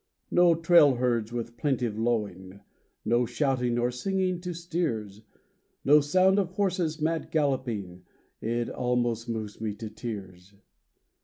No trail herds with plaintive lowing, No shouting, or singing to steers, No sound of horses mad galloping,— It almost moves me to tears.